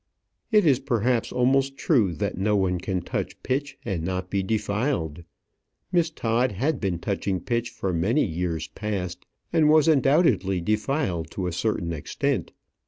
It is perhaps almost true that no one can touch pitch and not be defiled. Miss Todd had been touching pitch for many years past, and was undoubtedly defiled to a certain extent.